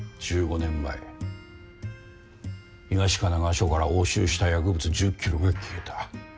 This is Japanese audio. １５年前東神奈川署から押収した薬物１０ｋｇが消えた。